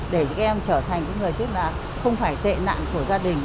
để các em trở thành những người không phải tệ nạn của gia đình